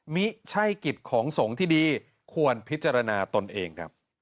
มิใช่กฤทธิ์ของสงที่ดีควรพิจารณาตนเอง